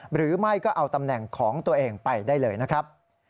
หรือไม่ก็เอาตำแหน่งของตัวเองไปได้เลยนะครับ